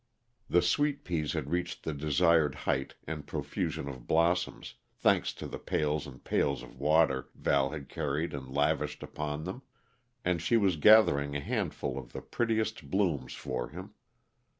The sweet peas had reached the desired height and profusion of blossoms, thanks to the pails and pails of water Val had carried and lavished upon them, and she was gathering a handful of the prettiest blooms for him.